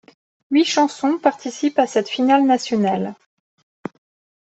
Huit chansons participent à cette finale nationale.